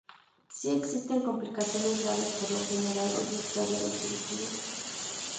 Si existen complicaciones graves por lo general es necesaria la cirugía.